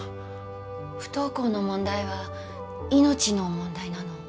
不登校の問題は命の問題なの。